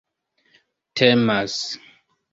temas